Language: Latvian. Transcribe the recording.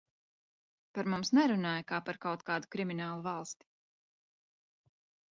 Par mums nerunāja kā par kaut kādu kriminālu valsti.